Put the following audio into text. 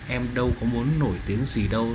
em đâu có muốn nổi tiếng gì đâu